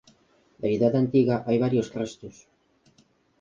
Da Idade Antiga hai varios restos.